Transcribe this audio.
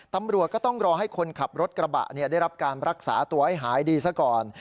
ตำรวจก็ต้องรอให้คนขับรถกระบะได้รับการรักษาตัวให้หายดีซะก่อน